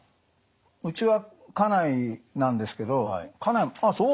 うちは家内なんですけど家内も「あっそう。